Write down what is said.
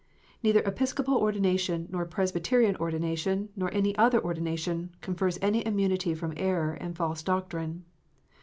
Neither Episcopal ordination, nor Presbyterian ordination, nor any other ordination, confers any immunity from error and false doctrine.